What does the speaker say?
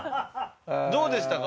どうでしたか？